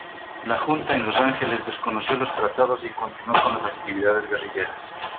La Junta en Los Ángeles desconoció los tratados y continuó con las actividades guerrilleras.